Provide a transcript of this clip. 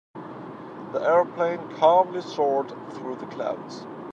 The airplane calmly soared through the clouds.